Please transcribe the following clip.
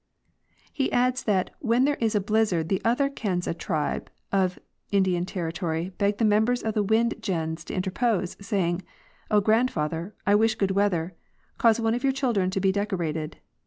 * He adds that when there is a blizzard the other Kansa tribe of Indian territory beg the members of the Wind gens to interpose, saying, "O grandfather, I wish good weather. Cause one of your children to be decorated."